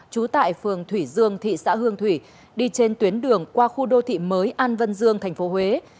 trú tại phường thủy dương thị xã hương thủy đi trên tuyến đường qua khu đô thị mới an vân dương tp huế